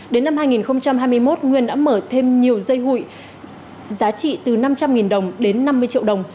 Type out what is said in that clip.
đến năm hai nghìn hai mươi một nguyên đã mở thêm nhiều dây hụi giá trị từ năm trăm linh đồng đến năm mươi triệu đồng